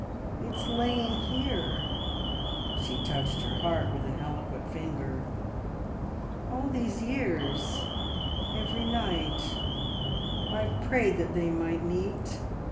It's lain here!" She touched her heart with an eloquent finger. "All these years every night I've prayed that they might meet..."